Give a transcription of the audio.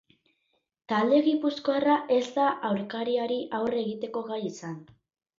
Talde gipuzkoarra ez da aurkariari aurre egiteko gai izan.